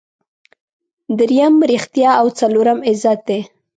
دریم ریښتیا او څلورم عزت دی.